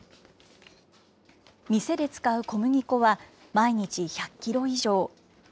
店で使う小麦粉は、毎日１００キロ以上。